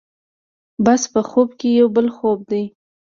بس په خوب کې یو بل خوب دی.